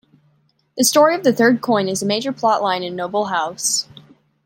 The story of the third coin is a major plot line in "Noble House".